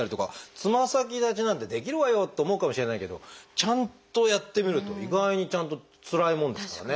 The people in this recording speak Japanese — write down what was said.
つま先立ちなんてできるわよと思うかもしれないけどちゃんとやってみると意外にちゃんとつらいもんですからね。